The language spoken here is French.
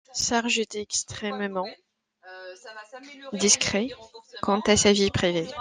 Sargent était extrêmement discret quant à sa vie privée.